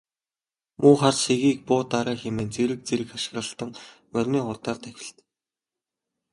Муу хар сэгийг буудаарай хэмээн зэрэг зэрэг хашхиралдан морины хурдаар давхилдана.